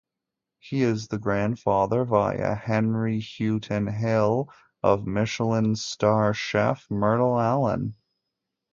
He is the grandfather via Henry Houghton Hill of Michelin star chef Myrtle Allen.